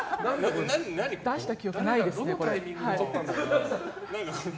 出した記憶ないですね、これ。